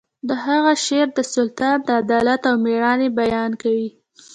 د هغه شعر د سلطان د عدالت او میړانې بیان کوي